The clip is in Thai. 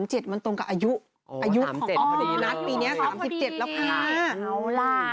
๓๗เป็นอะไร๓๗มันตรงกับอายุของอ๋อฟปีนี้๓๗แล้วค่ะ